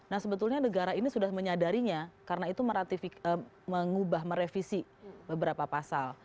nah sebetulnya negara ini sudah menyadarinya karena itu mengubah merevisi beberapa pasal